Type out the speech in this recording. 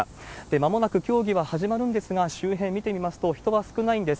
まもなく競技は始まるんですが、周辺見てみますと、人が少ないんです。